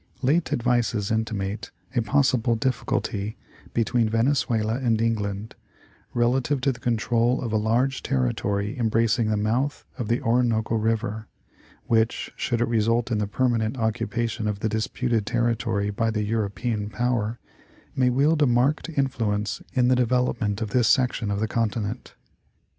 Late advices intimate a possible difiiculty between Venezuela and England relative to the control of a large territory embracing the mouth of the Orinoco River, which, should it result in the permanent occupation of the disputed territory by the European power, may wield a marked influence in the development of this section of the continent.